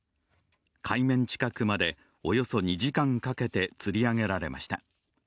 海面近くまで、およそ２時間かけてつり上げられました。